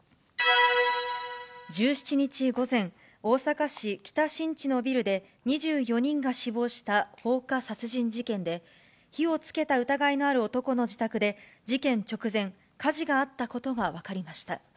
１７日午前、大阪市北新地のビルで、２４人が死亡した放火殺人事件で、火をつけた疑いのある男の自宅で、事件直前、火事があったことが分かりました。